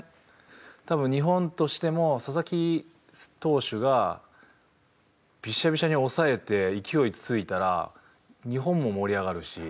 多分日本としても佐々木投手がビシャビシャに抑えて勢いついたら日本も盛り上がるし。